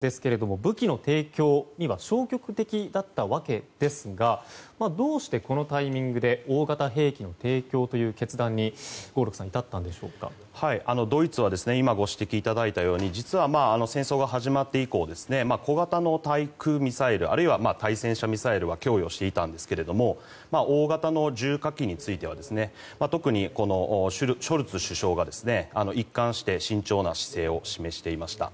そのドイツですが武器の提供には消極的だったわけですがどうしてこのタイミングで大型兵器の提供という決断に合六さんドイツは今、ご指摘いただいたように戦争が始まって以降小型の対空ミサイルあるいは対戦ミサイルは供与していたんですが大型の重火器については特にショルツ首相が一貫して慎重な姿勢を示していました。